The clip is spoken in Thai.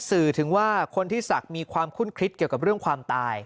สื่อถึงว่าคนที่ศักดิ์มีความคุ้นคิดเกี่ยวกับเรื่องความตาย